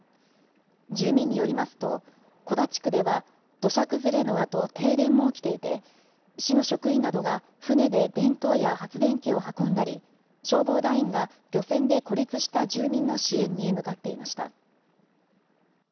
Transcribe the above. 住民によりますと小田地区では土砂崩れのあと停電も起きていて市の職員などが船で弁当や発電機を運んだり消防団員が漁船で孤立した住民の支援に向かっていました。